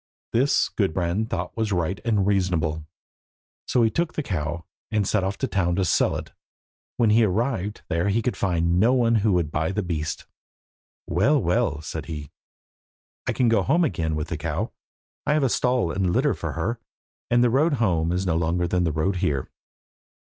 This Gudbrand thought was right and reasonable, so he took the cow, and set off to town to sell it. When he arrived there he could find no one who would buy the beast. "Well, well," said he, "I can go home again with the cow. I have stall and litter for her, and the road home is no longer than the road here."